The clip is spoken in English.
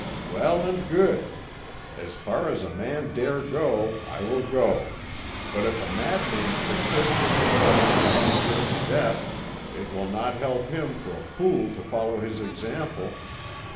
"Well and good. As far as a man dare go, I will go; but if a madman persists in rushing upon certain death, it will not help him for a fool to follow his example.